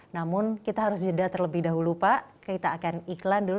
namun kita harus jeda terlebih dahulu pak kita akan iklan dulu